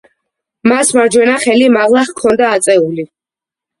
მას მარჯვენა ხელი მაღლა ჰქონდა აწეული.